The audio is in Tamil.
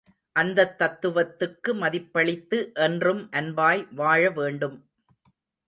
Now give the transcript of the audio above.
அந்தத் தத்துவத்துக்கு மதிப்பளித்து என்றும் அன்பாய் வாழ வேண்டும்.